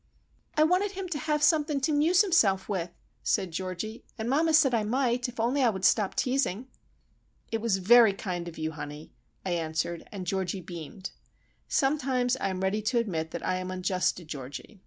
"I wanted him to have something to 'muse himself with," said Georgie, "and mamma said I might, if only I would stop teasing." "It was very kind of you, honey," I answered, and Georgie beamed. Sometimes I am ready to admit that I am unjust to Georgie.